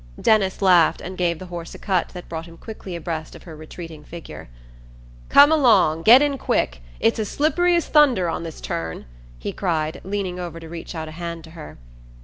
Denis laughed, and gave the horse a cut that brought him quickly abreast of her retreating figure. "Come along! Get in quick! It's as slippery as thunder on this turn," he cried, leaning over to reach out a hand to her.